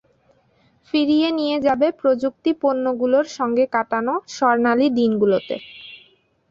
ফিরিয়ে নিয়ে যাবে প্রযুক্তিপণ্যগুলোর সঙ্গে কাটানো স্বর্ণালি দিনগুলোতে।